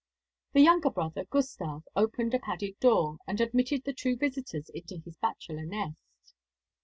The younger brother, Gustav, opened a padded door, and admitted the two visitors into his bachelor nest.